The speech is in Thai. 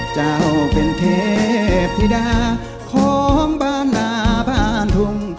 เจ้าเป็นเทพพิดาของบ้านนาพานทุ่ง